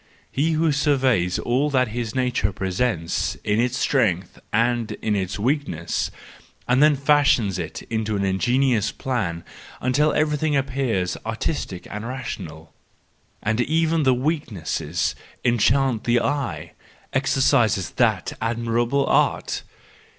He who surveys all that his nature presents in its strength and in its weakness, and then fashions it into an ingenious plan, until everything appears artistic and rational, and even the weaknesses enchant the eye—exercises that admirable art.